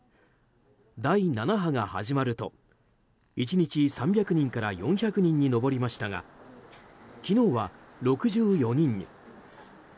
第７波が始まると１日、３００人から４００人に上りましたが昨日は６４人に。